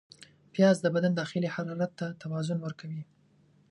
پیاز د بدن داخلي حرارت ته توازن ورکوي